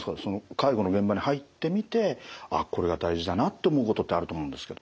介護の現場に入ってみてあこれが大事だなって思うことってあると思うんですけど。